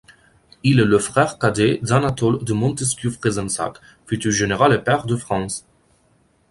Il est le frère cadet d'Anatole de Montesquiou-Fezensac, futur général et pair de France.